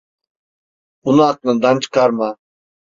Bunu aklından çıkarma.